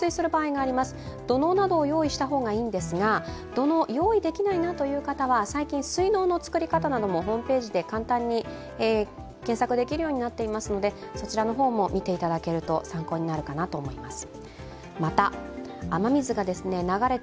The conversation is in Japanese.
土のうを用意できない方は最近は水のうの作り方もホームページで簡単に検索できるようになっていますのでそちらの方も見ていただくと参考になるかなと思います。